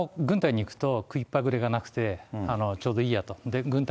昔は、軍隊に行くと、食いっぱぐれがなくて、ちょうどいいやと。